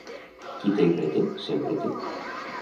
Qui té i reté, sempre té.